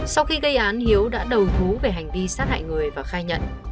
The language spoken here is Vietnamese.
sau khi gây án hiếu đã đầu thú về hành vi sát hại người và khai nhận